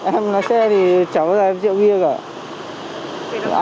em lái xe thì chẳng bao giờ em chịu nghiêng cả